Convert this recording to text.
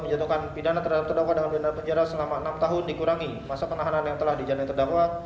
menjatuhkan pidana terhadap terdakwa dengan pidana penjara selama enam tahun dikurangi masa penahanan yang telah dijalani terdakwa